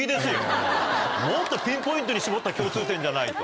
もっとピンポイントに絞った共通点じゃないと。